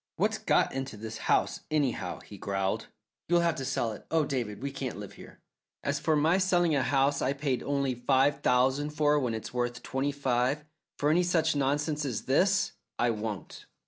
"What's got into this house, anyhow?" he growled. "You'll have to sell it. Oh, David, we can't live here." "As for my selling a house I paid only five thousand for when it's worth twenty five, for any such nonsense as this, I won't!"